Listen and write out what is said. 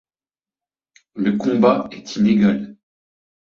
Le combat est inégal.